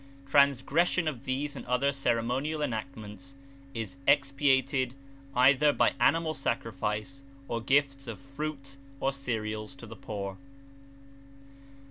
Transgression of these and other ceremonial enactments is expiated either by animal sacrifice, or gifts of fruit or cereals to the poor.